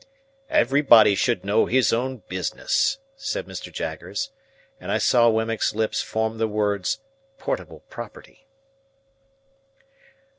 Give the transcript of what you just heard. "Everybody should know his own business," said Mr. Jaggers. And I saw Wemmick's lips form the words "portable property."